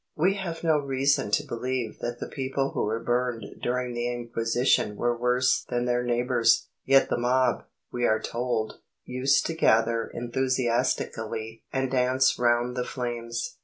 We have no reason to believe that the people who were burned during the Inquisition were worse than their neighbours, yet the mob, we are told, used to gather enthusiastically and dance round the flames.